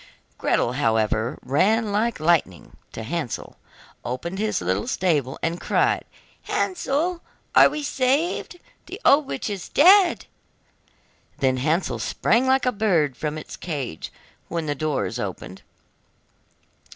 Gretel, however, ran like lightning to Hansel, opened his little stable, and cried: 'Hansel, we are saved! The old witch is dead!' Then Hansel sprang like a bird from its cage when the door is opened.